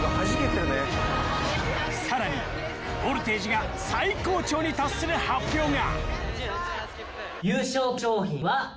［さらにボルテージが最高潮に達する発表が］